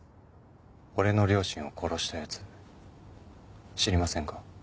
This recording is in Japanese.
俺の両親を殺した奴知りませんか？